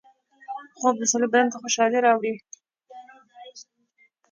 خوب د سړي بدن ته خوشحالۍ راوړي